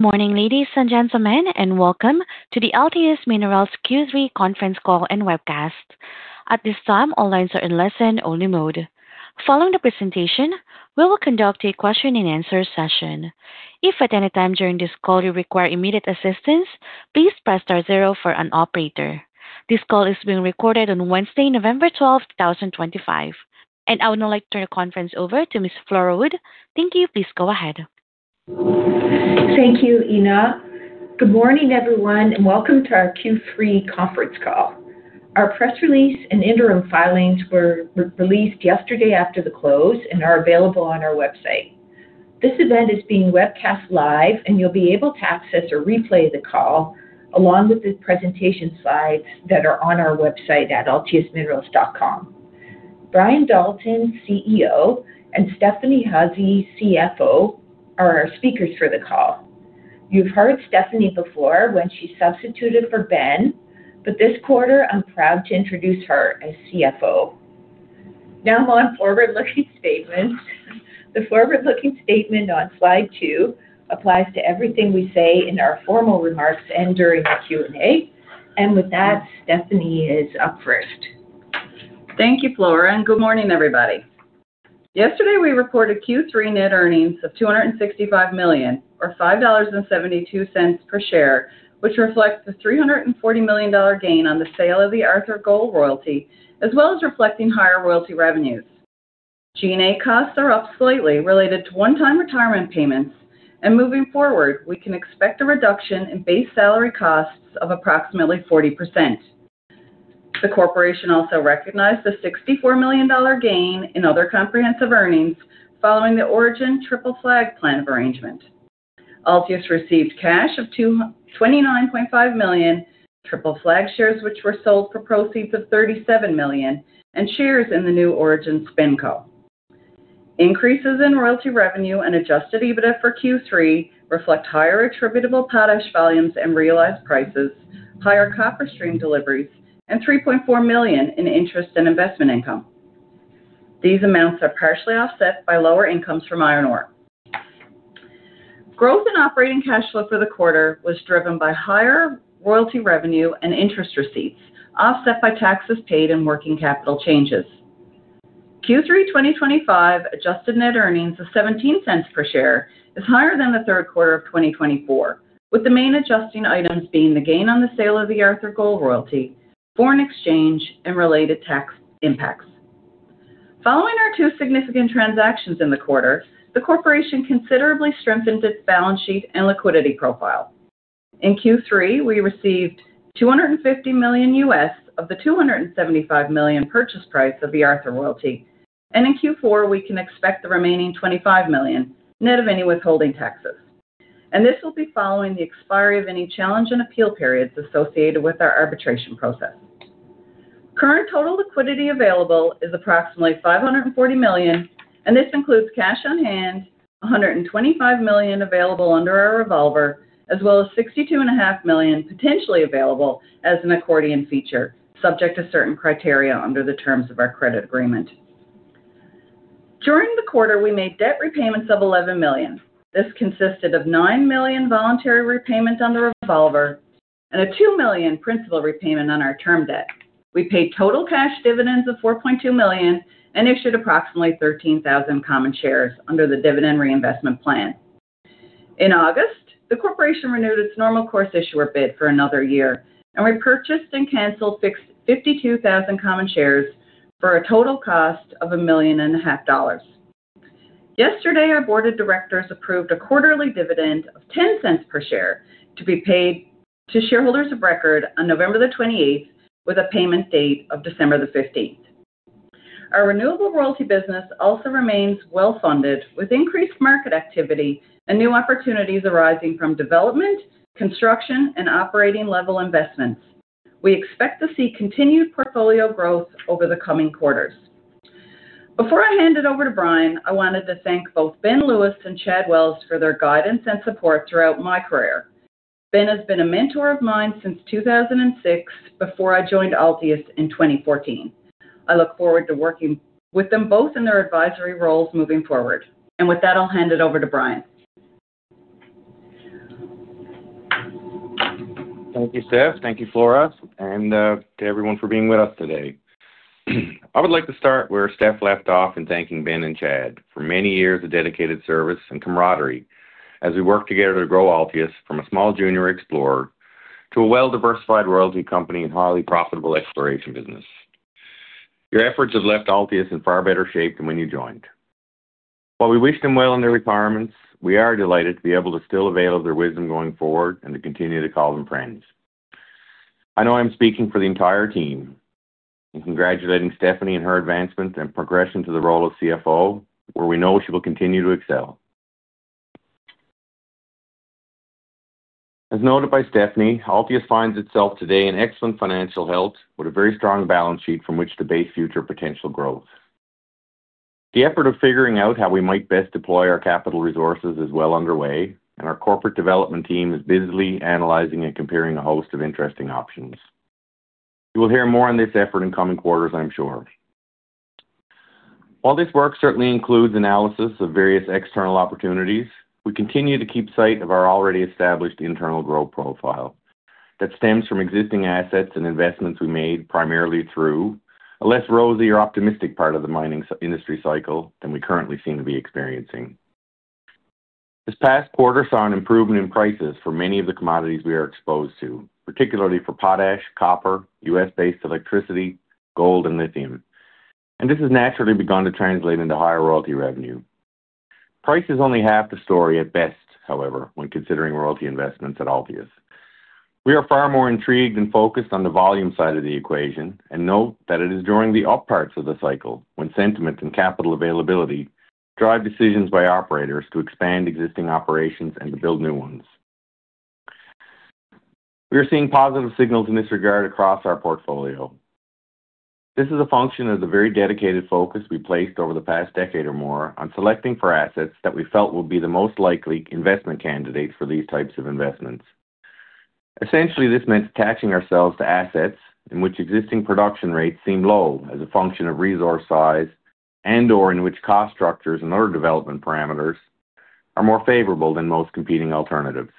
Morning ladies and gentlemen and welcome to the Altius Minerals Q3 conference call and webcast. At this time all lines are in listen only mode. Following the presentation we will conduct a question and answer session. If at any time during this call you require immediate assistance, please press star zero for an operator. This call is being recorded on Wednesday, November 12, 2025 and I would now like to turn the conference over to Ms. Flora Wood. Thank you. Please go ahead. Thank you, Ina. Good morning, everyone, and welcome to our Q3 conference call. Our press release and interim filings were released yesterday after the close and are available on our website. This event is being webcast live, and you'll be able to access a replay of the call along with the presentation slides that are on our website at altiusminerals.com. Brian Dalton, CEO, and Stephanie Hussey, CFO, are our speakers for the call. You've heard Stephanie before when she substituted for Ben, but this quarter I'm proud to introduce her as CFO. Now on Forward Looking Statements. The Forward Looking Statement on slide 2 applies to everything we say in our formal remarks and during the Q and A, and with that, Stephanie is up first. Thank you Flora and good morning everybody. Yesterday we reported Q3 net earnings of $265 million or $5.72 per share, which reflects the $340 million gain on the sale of the Arthur Gold Royalty as well as reflecting higher royalty revenues. G&A costs are up slightly related to one-time retirement payments and moving forward we can expect a reduction in base salary costs of approximately 40%. The corporation also recognized the $64 million gain in other comprehensive earnings following the Origin Triple Flag plan of arrangement. Altius received cash of $29.5 million, Triple Flag shares which were sold for proceeds of $37 million, and shares in the new Origin Spinco. Increases in royalty revenue and adjusted EBITDA for Q3 reflect higher attributable potash volumes and realized prices, higher copper stream deliveries, and $3.4 million in interest and investment income. These amounts are partially offset by lower incomes from iron ore. Growth in operating cash flow for the quarter was driven by higher royalty revenue and interest receipts offset by taxes paid and working capital changes. Q3 2025 adjusted net earnings of $0.17 per share is higher than the third quarter of 2024 with the main adjusting items being the gain on the sale of the Arthur Gold Royalty, foreign exchange and related tax impacts. Following our two significant transactions in the quarter, the Corporation considerably strengthened its balance sheet and liquidity profile. In Q3 we received $250 million of the $275 million purchase price of the Arthur Royalty and in Q4 we can expect the remaining $25 million net of any withholding taxes and this will be following the expiry of any challenge and appeal periods associated with our arbitration process. Current total liquidity available is approximately 540 million and this includes cash on hand, 125 million available under our revolver, as well as 62.5 million potentially available as an accordion feature subject to certain criteria. Under the terms of our credit agreement, during the quarter we made debt repayments of 11 million. This consisted of a 9 million voluntary repayment on the revolver and a 2 million principal repayment on our term debt. We paid total cash dividends of 4.2 million and issued approximately 13,000 common shares under the Dividend Reinvestment Plan. In August, the corporation renewed its normal course issuer bid for another year and we purchased and canceled 52,000 common shares for a total cost of 1.5 million. Yesterday our board of directors approved a Quarterly dividend of $0.10 per share to be paid to shareholders of record on November 28 with a payment date of December 15. Our renewable royalty business also remains well funded. With increased market activity and new opportunities arising from development, construction and operating level investments, we expect to see continued portfolio growth over the coming quarters. Before I hand it over to Brian, I wanted to thank both Ben Lewis and Chad Wells for their guidance and support throughout my career. Ben has been a mentor of mine since 2006 before I joined Altius in 2014. I look forward to working with them both in their advisory roles moving forward and with that I'll hand it over to Brian. Thank you, Steph, thank you, Flora, and to everyone for being with us today. I would like to start where Steph left off in thanking Ben and Chad for many years of dedicated service and camaraderie as we work together to grow Altius from a small junior explorer to a well-diversified royalty company and highly profitable exploration business. Your efforts have left Altius in far better shape than when you joined. While we wish them well in their retirements, we are delighted to be able to still avail of their wisdom going forward and to continue to call them friends. I know I am speaking for the entire team in congratulating Stephanie and her advancement and progression to the role of CFO where we know she will continue to excel. As noted by Stephanie, Altius finds itself today in excellent financial health with a very strong balance sheet from which to base future potential growth. The effort of figuring out how we might best deploy our capital resources is well underway and our corporate development team is busily analyzing and comparing a host of interesting options. You will hear more on this effort in coming quarters, I'm sure. While this work certainly includes analysis of various external opportunities, we continue to keep sight of our already established internal growth profile that stems from existing assets and investments we made primarily through a less rosy or optimistic part of the mining industry cycle than we currently seem to be experiencing. This past quarter saw an improvement in prices for many of the commodities we are exposed to, particularly for potash, copper, U.S. based electricity, gold, and lithium, and this has naturally begun to translate into higher royalty revenue. Price is only half the story at best. However, when considering royalty investments at Altius, we are far more intrigued and focused on the volume side of the equation, and note that it is during the up parts of the cycle when sentiment and capital availability drive decisions by operators to expand existing operations and to build new ones. We are seeing positive signals in this regard across our portfolio. This is a function of the very dedicated focus we placed over the past decade or more on selecting for assets that we felt would be the most likely investment candidates for these types of investments. Essentially, this meant attaching ourselves to assets in which existing production rates seem low as a function of resource size and or in which cost structures and other development parameters are more favorable than most competing alternatives.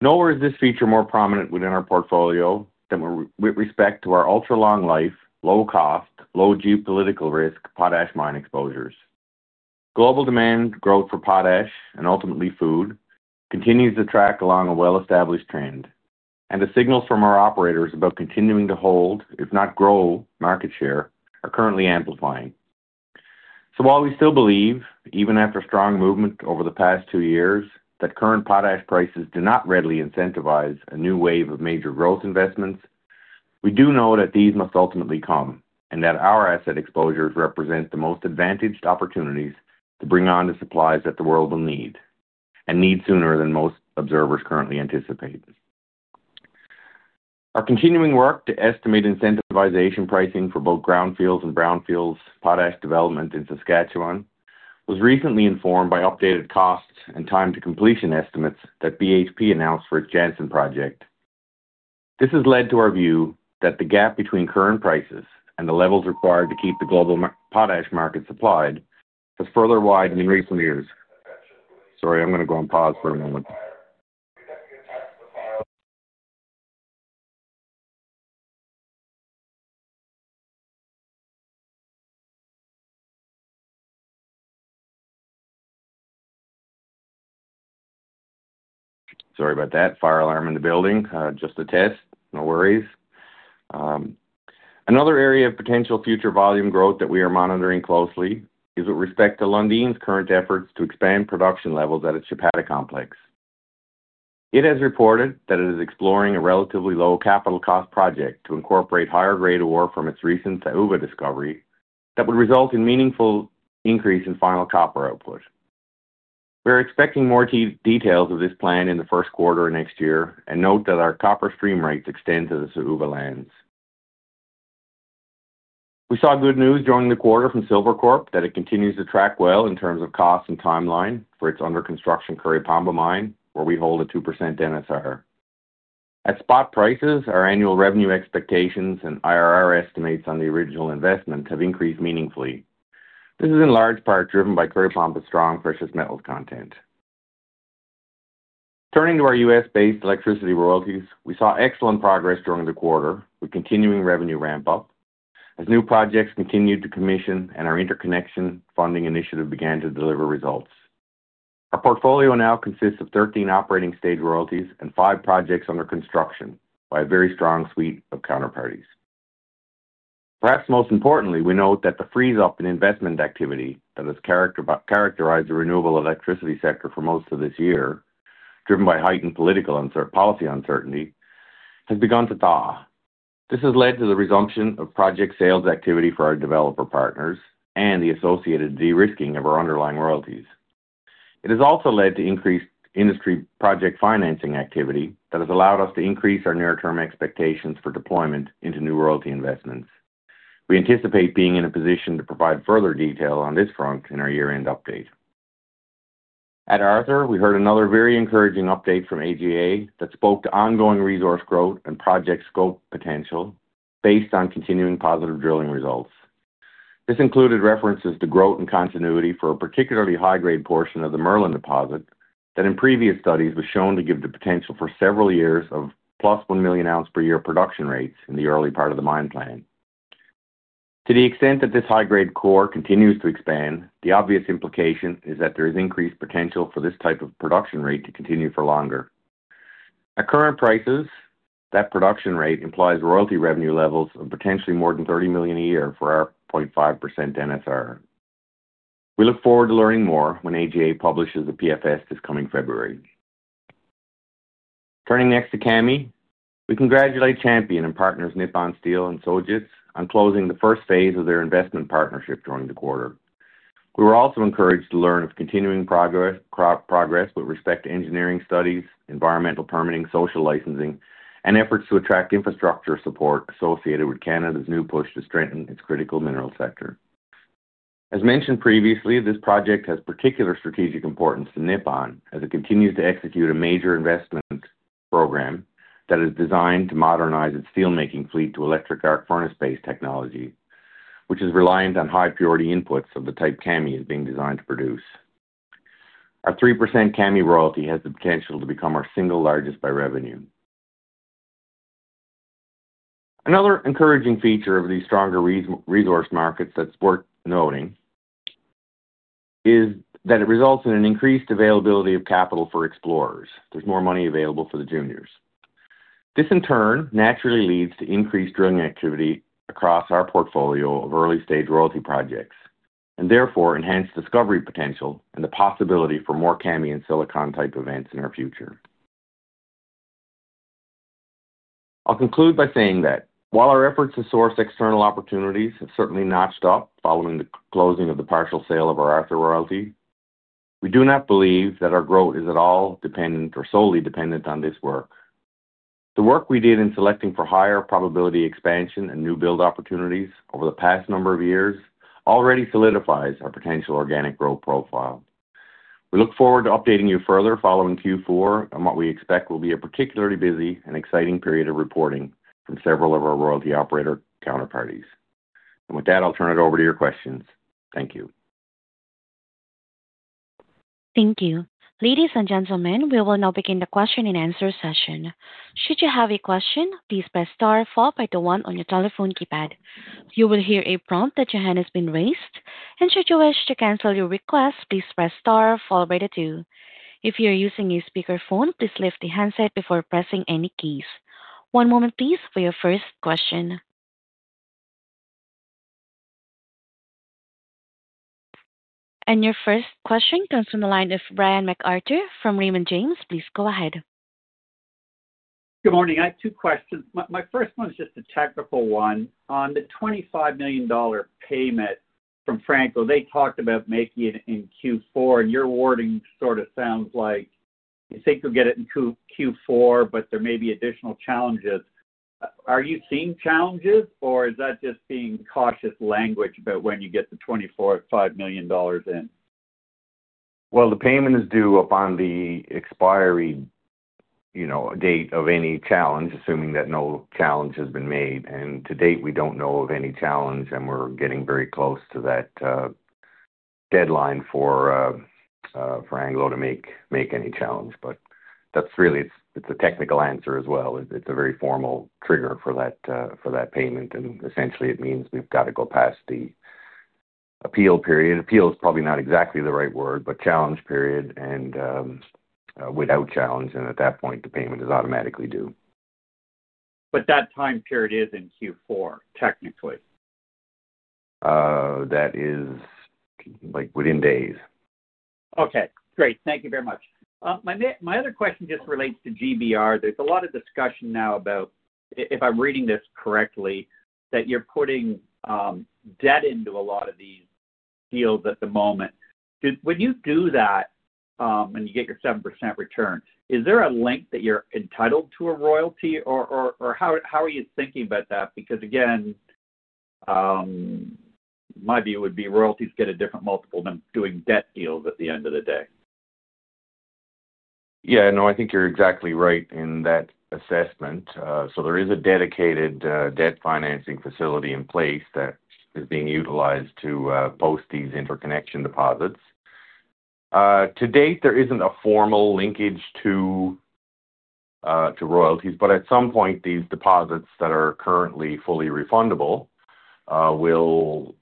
Nowhere is this feature more prominent within our portfolio than with respect to our ultra long life low cost, low geopolitical risk potash mine exposures. Global demand growth for potash and ultimately food continues to track along a well established trend and the signals from our operators about continuing to hold, if not grow, market share are currently amplifying. While we still believe even after strong movement over the past two years that current potash prices do not readily incentivize a new wave of major growth investments, we do know that these must ultimately come and that our asset exposures represent the most advantaged opportunities to bring on the supplies that the world will need and need sooner than most observers currently anticipate. Our continuing work to estimate incentivization pricing for both groundfields and brownfields potash development in Saskatchewan was recently informed by updated costs and time to completion estimates that BHP announced for its Jansen project. This has led to our view that the gap between current prices and the levels required to keep the global potash market supplied has further widened in recent years. Sorry, I'm going to go on pause for a moment. Sorry about that fire alarm in the building. Just a test. No worries. Another area of potential future volume growth that we are monitoring closely is with respect to Lundin's current efforts to expand production levels at a Chapada complex. It has reported that it is exploring a relatively low capital cost project to incorporate higher grade ore from its recent Tauba discovery that would result in meaningful increase in final copper output. We are expecting more details of this plan in the first quarter of next year and note that our copper stream rates extend to the Chapada lands. We saw good news during the quarter from Silvercorp Metals that it continues to track well in terms of cost and timeline for its under construction Curipamba mine where we hold a 2% NSR at spot prices. Our annual revenue expectations and IRR estimates on the original investment have increased meaningfully. This is in large part driven by Curipamba's strong precious metals content. Turning to our U.S. based electricity royalties, we saw excellent progress during the quarter with continuing revenue ramp up as new projects continued to commission and our interconnection funding initiative began to deliver results. Our portfolio now consists of 13 operating stage royalties and five projects under construction by a very strong suite of counterparties. Perhaps most importantly, we note that the freeze up in investment activity that has characterized the renewable electricity sector for most of this year driven by heightened policy uncertainty has begun to thaw. This has led to the resumption of project sales activity for our developer partners and the associated de-risking of our underlying royalties. It has also led to increased industry project financing activity that has allowed us to increase our near term expectations for deployment into new royalty investments. We anticipate being in a position to provide further detail on this front in our year end update. At Arthur, we heard another very encouraging update from AGA that spoke to ongoing resource growth and project scope potential based on continuing positive drilling results. This included references to growth and continuity for a particularly high grade portion of the Merlin deposit that in previous studies was shown to give the potential for several years of plus 1 million ounce per year production rates in the early part of the mine plan. To the extent that this high grade core continues to expand, the obvious implication is that there is increased potential for this type of production rate to continue for longer at current prices. That production rate implies royalty revenue levels of potentially more than $30 million a year for our 0.5% NSR. We look forward to learning more when AGA publishes the PFS this coming February. Turning next to Kami, we congratulate Champion and partners Nippon Steel and Sojitz on closing the first phase of their investment partnership during the quarter. We were also encouraged to learn of continuing progress with respect to engineering studies and environmental permitting, social licensing, and efforts to attract infrastructure support associated with Canada's new push to strengthen its critical mineral sector. As mentioned previously, this project has particular strategic importance to Nippon as it continues to execute a major investment program that is designed to modernize its steelmaking fleet to electric arc furnace based technology, which is reliant on high purity inputs of the type Kami is being designed to produce. Our 3% Kami royalty has the potential to become our single largest by revenue. Another encouraging feature of these stronger resource markets that's worth noting is that it results in an increased availability of capital for explorers. There's more money available for the juniors. This in turn naturally leads to increased drilling activity across our portfolio of early stage royalty projects and therefore enhanced discovery potential and the possibility for more Kami and Silicon type events in our future. I'll conclude by saying that while our efforts to source external opportunities have certainly notched up following the closing of the partial sale of our Arthur Royalty, we do not believe that our growth is at all dependent or solely dependent on this work. The work we did in selecting for higher probability expansion and new build opportunities over the past number of years already solidifies our potential organic growth program profile. We look forward to updating you further following Q4 on what we expect will be a particularly busy and exciting period of reporting from several of our royalty operator counterparties, and with that, I'll turn it over to your questions. Thank you. Thank you, ladies and gentlemen. We will now begin the question and answer session. Should you have a question, please press star followed by the one on your telephone keypad. You will hear a prompt that your hand has been raised, and should you wish to cancel your request, please press star followed by the two. If you're using a speakerphone, please lift the handset before pressing any keys. One moment, please, for your first question. Your first question comes from the line of Brian MacArthur from Raymond James. Please go ahead. Good morning. I have two questions. My first one is just a technical one on the $25 million payment from Franco-Nevada. They talked about making it in Q4 and your wording sort of sounds like you think you'll get it in Q4, but there may be additional challenges. Are you seeing challenges or is that just being cautious language about when you get the $25 million in? The payment is due upon the expiry, you know, date of any challenge, assuming that no challenge has been made and to date we do not know of any challenge. We are getting very close to that deadline for Anglo to make any challenge. That is really, it is a technical answer as well. It is a very formal trigger for that payment and essentially it means we have to go past the appeal period. Appeal is probably not exactly the right word, but challenge period and without challenge. At that point the payment is automatically due. That time period is in Q4. Technically. That is like within days. Okay, great, thank you very much. My other question just relates to GBR. There's a lot of discussion now about, if I'm reading this correctly, that you're putting debt into a lot of these deals at the moment. When you do that and you get your 7% return, is there a link that you're entitled to a royalty or how are you thinking about that? Because again, my view would be royalties get a different multiple than doing debt deals at the end of the day. Yeah, no, I think you're exactly right in that assessment. There is a dedicated debt financing facility in place that is being utilized to post these interconnection deposits. To date there is not a formal linkage to royalties, but at some point these deposits that are currently fully refundable will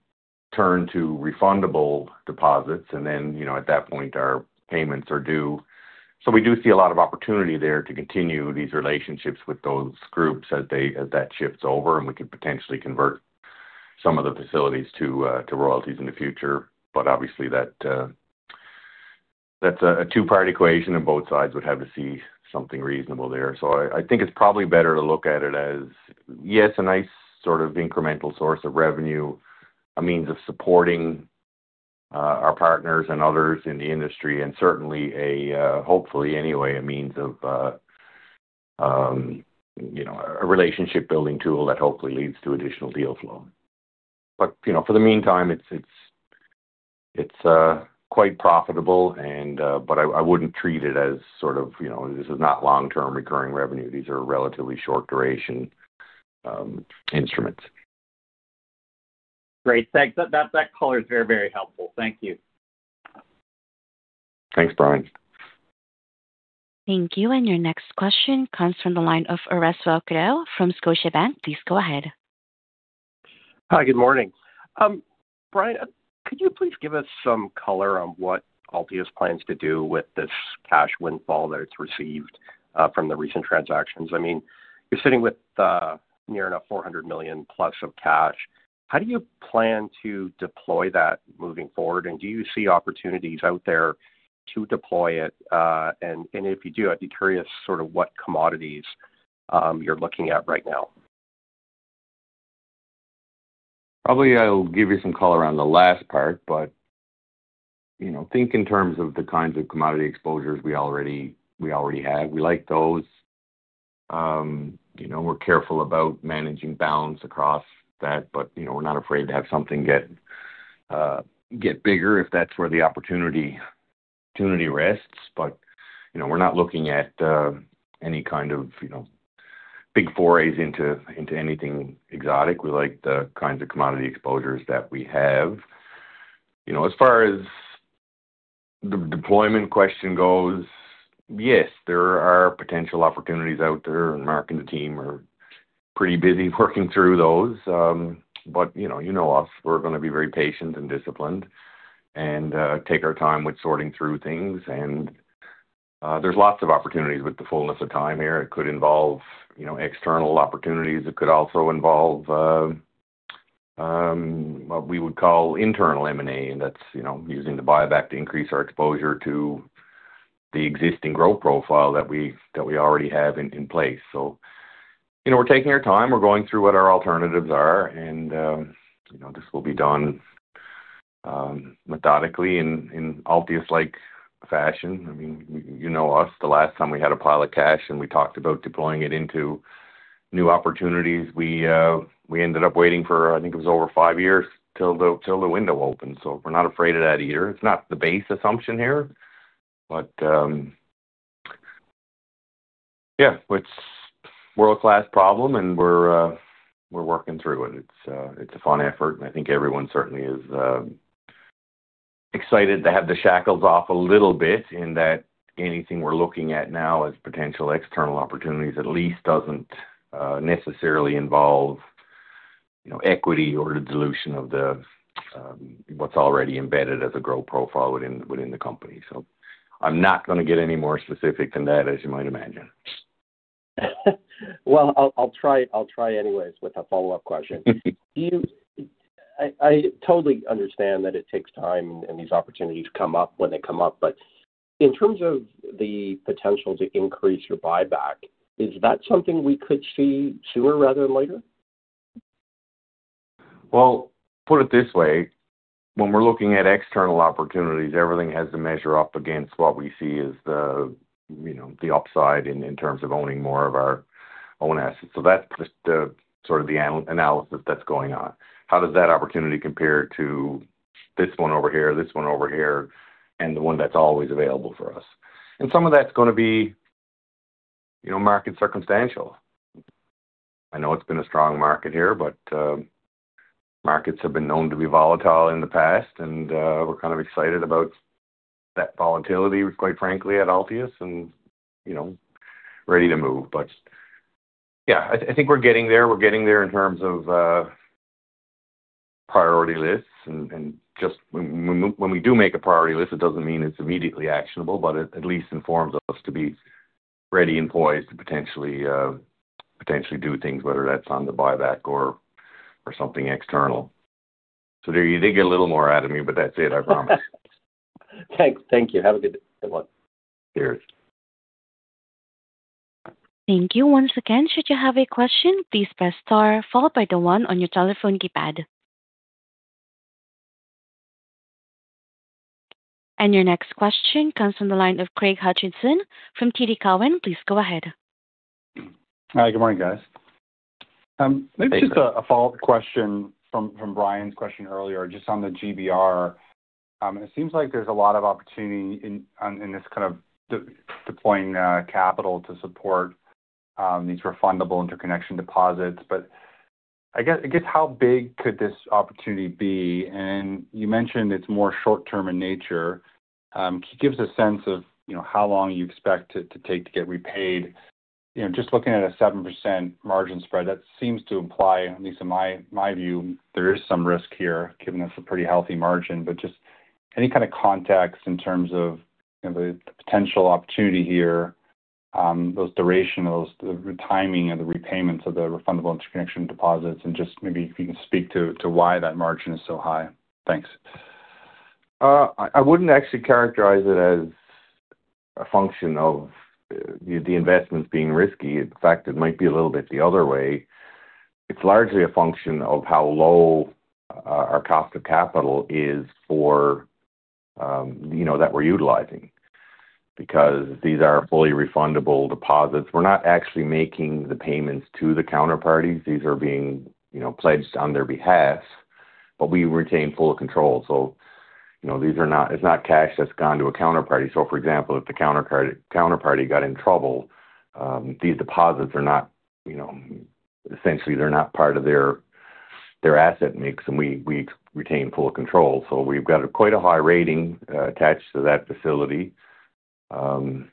turn to refundable deposits and then, you know, at that point our payments are due. We do see a lot of opportunity there to continue these relationships with those groups as that shifts over and we could potentially convert some of the facilities to royalties in the future. Obviously that is a two part equation and both sides would have to see something reasonable there. I think it's probably better to look at it as, yes, a nice sort of incremental source of revenue, a means of supporting our partners and others in the industry and certainly a hopefully anyway a means of, you know, a relationship building tool that hopefully leads to additional deal flow. You know, for the meantime it's quite profitable. I wouldn't treat it as sort of, you know, this is not long term recurring revenue. These are relatively short duration instruments. Great, thanks. That color is very, very helpful. Thank you. Thanks Brian. Thank you. Your next question comes from the line of Aurelius Pillay from Scotiabank. Please go ahead. Hi, good morning, Brian. Could you please give us some color on what Altius plans to do with this cash windfall that it's received from the recent transactions? I mean you're sitting with near enough 400 million plus of cash. How do you plan to deploy that moving forward and do you see opportunities out there to deploy it? If you do, I'd be curious sort of what commodities you're looking at right now. Probably I'll give you some color on the last part. Think in terms of the kinds of commodity exposures we already have. We like those, you know, we're careful about managing balance across that. You know, we're not afraid to have something get bigger if that's where the opportunity rests. You know, we're not looking at any kind of big forays into anything exotic. We like the kinds of commodity exposures that we have. As far as the deployment question goes, yes, there are potential opportunities out there and Mark and the team are pretty busy working through those. You know us, we are going to be very patient and disciplined and take our time with sorting through things. There are lots of opportunities with the fullness of time here. It could involve external opportunities. It could also involve what we would call internal M&A and that is using the buyback to increase our exposure to the existing growth profile that we already have in place. We are taking our time, we are going through what our alternatives are and this will be done methodically in Altius-like fashion. I mean, you know us, the last time we had a pile of cash and we talked about deploying it into new opportunities, we ended up waiting for, I think it was over five years till the window opened. We're not afraid of that either. It's not the base assumption here, but yeah, it's a world class problem and we're working through it. It's a fun effort and I think everyone certainly is excited to have the shackles off a little bit in that anything we're looking at now as potential external opportunities at least doesn't necessarily involve equity or the dilution of what's already embedded as a growth profile within the company. I'm not going to get any more specific than that, as you might imagine. I'll try anyways with a follow up question. I totally understand that it takes time. These opportunities come up when they come up. In terms of the potential to. Increase your buyback, is that something we? Could see sooner rather than later. Put it this way, when we're looking at external opportunities, everything has to measure up against what we see as the, you know, the upside in terms of owning more of our own assets. That's sort of the analysis that's going on. How does that opportunity compare to this one over here, this one over here and the one that's always available for us? Some of that's going to be, you know, market circumstantial. I know it's been a strong market here, but markets have been known to be volatile in the past and we're kind of excited about that volatility, quite frankly at Altius, and, you know, ready to move. Yeah, I think we're getting there. We're getting there in terms of priority lists, and just when we do make a priority list, it doesn't mean it's immediately actionable, but it at least informs us to be ready employees to potentially do things, whether that's on the buyback or something external. There you did get a little more out of me, but that's it, I promise. Thanks. Thank you. Have a good one. Cheers. Thank you. Once again, should you have a question, please press star followed by the one on your telephone keypad. Your next question comes from the line of Craig Hutchinson from TD Cowen. Please go ahead. Hi, good morning guys. Just a follow up question from Brian's question earlier just on the GBR. It seems like there's a lot of opportunity in this kind of deploying capital to support these refundable interconnection deposits. I guess how big could this opportunity be? You mentioned it's more short term in nature, gives a sense of how long you expect it to take to get repaid. Just looking at a 7% margin spread, that seems to imply, at least in my view, there is some risk here, given us a pretty healthy margin. Just any kind of context in terms of the potential opportunity here, the duration of the timing of the repayments of the refundable interconnection deposits and just maybe if you can speak to why that margin is so high. Thanks. I would not actually characterize it as a function of the investments being risky. In fact, it might be a little bit the other way. It is largely a function of how low our cost of capital is for, you know, that we are utilizing. Because these are fully refundable deposits, we are not actually making the payments to the counterparties. These are being, you know, pledged on their behalf but we retain full control. You know, it is not cash that has gone to a counterparty. For example, if the counterparty got in trouble, these deposits are not, you know, essentially they are not part of their asset mix and we retain full control. We have quite a high rating attached to that facility. It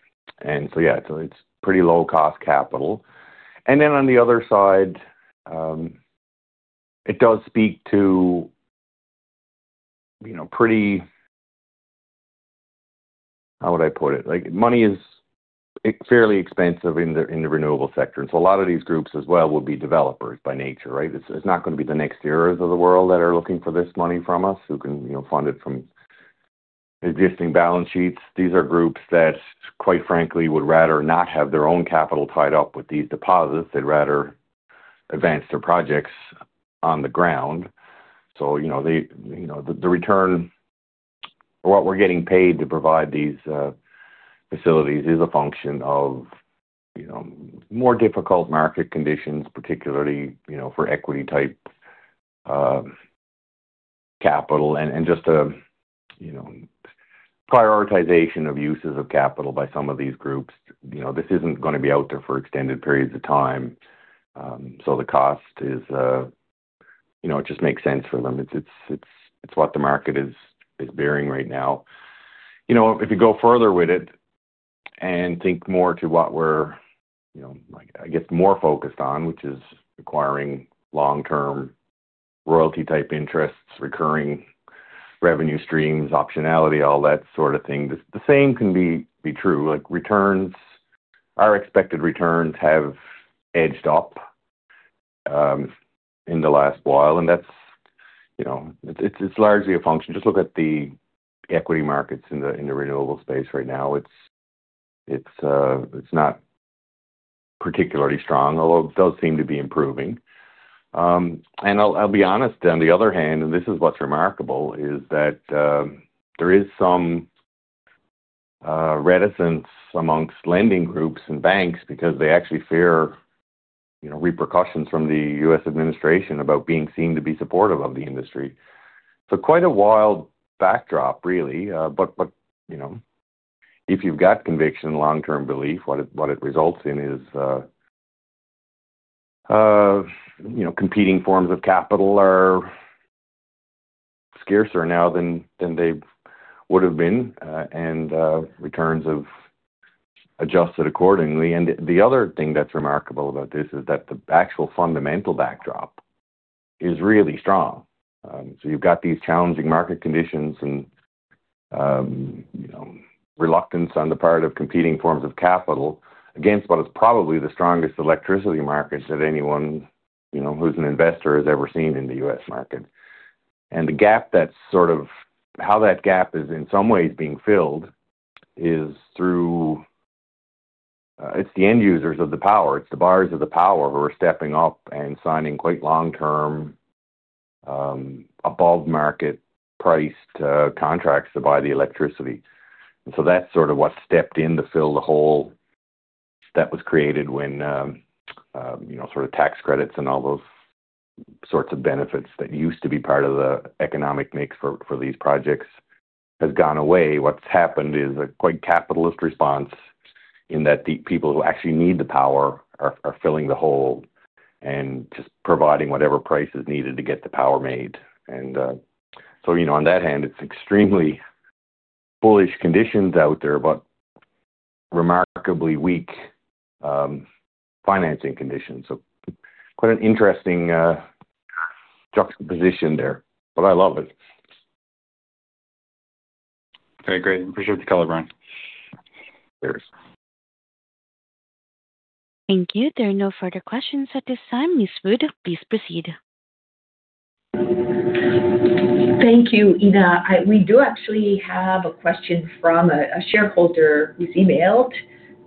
is pretty low cost capital. On the other side. It. Does speak to pretty, how would I put it, money is fairly expensive in the renewable sector. A lot of these groups as well would be developers by nature. Right. It is not going to be the NextEras of the world that are looking for this money from us who can fund it from existing balance sheets. These are groups that quite frankly would rather not have their own capital tied up with these deposits. They would rather advance their projects on the ground. You know, the return, what we are getting paid to provide these facilities is a function of more difficult market conditions, particularly for equity type capital and just prioritization of uses of capital by some of these groups. This is not going to be out there for extended periods of time. The cost is, you know, it just makes sense for them. It's what the market is bearing right now. You know, if you go further with it and think more to what we're, I guess, more focused on, which is acquiring long term royalty type interests, recurring revenue streams, optionality, all that sort of thing, the same can be true. Like, returns, our expected returns have edged up in the last while and that's, you know, it's largely a function. Just look at the equity markets in the, in the renewable space right now. It's not particularly strong, although it does seem to be improving. I'll be honest, on the other hand, and this is what's remarkable, is that there is some reticence amongst lending groups and banks because they actually fear repercussions from the US administration about being seen to be supportive of the industry. Quite a wild backdrop really. If you've got conviction, long term belief, what it results in is competing forms of capital are scarcer now than they would have been and returns have adjusted accordingly. The other thing that's remarkable about this is that the actual fundamental backdrop is really strong. You've got these challenging market conditions and reluctance on the part of competing forms of capital against what is probably the strongest electricity market that anyone who's an investor has ever seen in the US market. The gap, that's sort of how that gap is in some ways being filled, is through the end users of the power, it's the buyers of the power who are stepping up and signing quite long term above market priced contracts to buy the electricity. That's sort of what stepped in to fill the hole that was created when, you know, sort of tax credits and all those sorts of benefits that used to be part of the economic mix for these projects has gone away. What's happened is a quite capitalist response in that the people who actually need the power are filling the hole and just providing whatever price is needed to get the power made. And, you know, on that hand it's extremely bullish conditions out there, but remarkably weak financing conditions. Quite an interesting juxtaposition there, but I love it. Very great. Appreciate the color, Brian. Thank you. There are no further questions at this time. Ms. Wood, please proceed. Thank you, Ina. We do actually have a question from a shareholder who's emailed.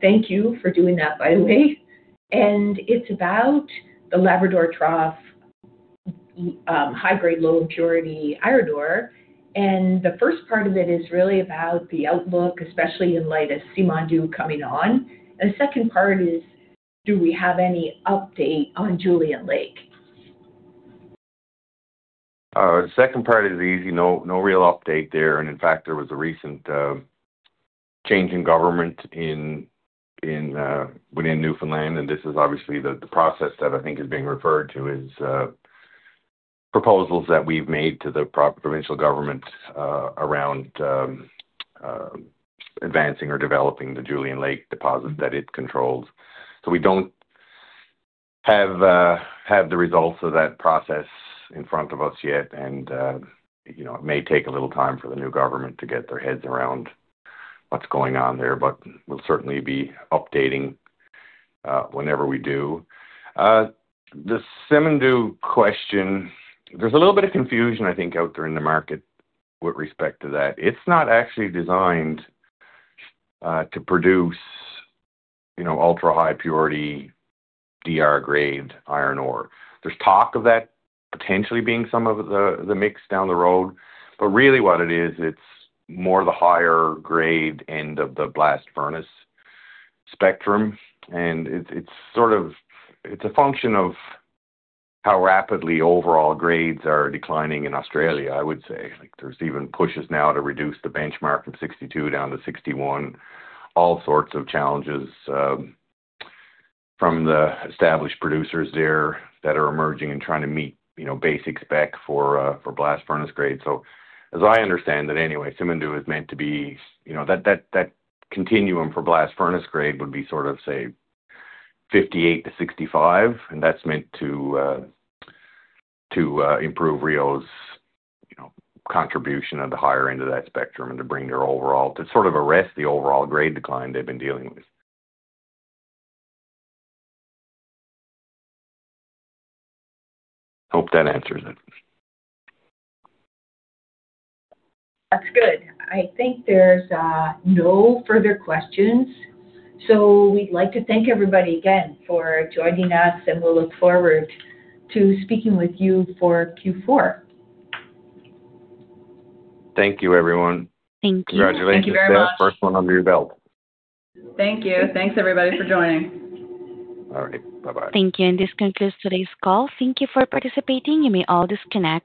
Thank you for doing that, by the way. It is about the Labrador Trough high grade low impurity iron ore. The first part of it is really about the outlook, especially in light of Simon Dew coming on. The second part is do we have any update on Julian Lake? The second part is easy, no real update there. In fact, there was a recent change in government within Newfoundland and this is obviously the process that I think is being referred to, is proposals that we've made to the provincial government around advancing or developing the Julian Lake deposit that it controls. We do not have the results of that process in front of us yet. You know, it may take a little time for the new government to get their heads around what's going on there, but we'll certainly be updating whenever we do. The Simindu question, there's a little bit of confusion I think out there in the market with respect to that. It's not actually designed to produce, you know, ultra high purity DR grade iron ore. There's talk of that potentially being some of the mix down the road. Really what it is, it's more the higher grade end of the blast furnace spectrum. It's sort of a function of how rapidly overall grades are declining in Australia. I would say, like there's even pushes now to reduce the benchmark from 62 down to 61. All sorts of challenges from the established producers there that are emerging and trying to meet, you know, basic spec for blast furnace grade. As I understand it anyway, Simindu is meant to be, you know, that continuum for blast furnace grade would be sort of say 58-65. That's meant to improve Rio's contribution of the higher end of that spectrum and to bring their overall, to sort of arrest the overall grade decline they've been dealing with. Hope that answers it. That's good. I think there's no further questions. We'd like to thank everybody again for joining us and we'll look forward to speaking with you for Q4. Thank you, everyone. Thank you. Congratulations. First one under your belt. Thank you. Thanks, everybody, for joining. All right. Bye bye. Thank you. This concludes today's call. Thank you for participating. You may all disconnect.